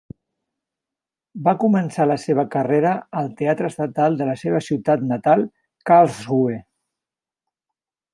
Va començar la seva carrera al Teatre Estatal de la seva ciutat natal, Karlsruhe.